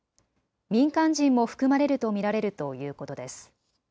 民間人も含まれると見られるということです。